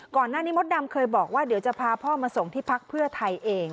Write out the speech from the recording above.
มดดำเคยบอกว่าเดี๋ยวจะพาพ่อมาส่งที่พักเพื่อไทยเอง